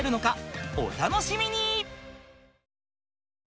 お楽しみに！